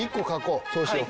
そうしよう。